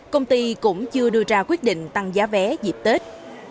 cũng chưa đưa ra quyết định tăng giá vé dịp tết